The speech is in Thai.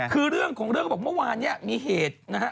คือเรื่องของเรื่องเขาบอกเมื่อวานเนี่ยมีเหตุนะฮะ